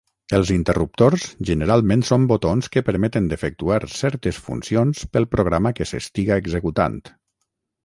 Els interruptors generalment són botons que permeten d'efectuar certes funcions pel programa que s'estiga executant.